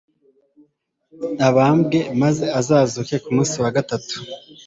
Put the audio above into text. abambwe maze azazuke ku munsi wa gatatu.»